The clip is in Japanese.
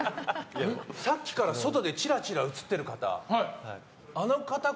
さっきから外でちらちら映っている方。